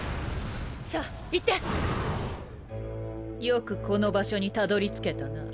よくこの場所にたどり着けたな。